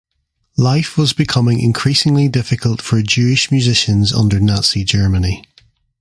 Life was becoming increasingly difficult for Jewish musicians under Nazi Germany.